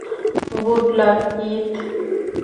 Good luck, Keith.